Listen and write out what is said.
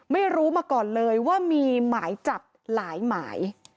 ไม่รู้มาก่อนเลยว่ามีหมายจับหลายหมาย